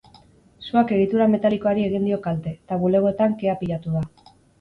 Suak egitura metalikoari egin dio kalte, eta bulegoetan kea pilatu da.